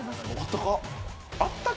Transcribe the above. あったか。